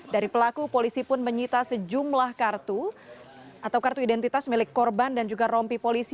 dari pelaku polisi pun menyita sejumlah kartu atau kartu identitas milik korban dan juga rompi polisi